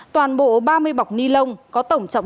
toàn bộ ba mươi bọc ni lông có tổng trọng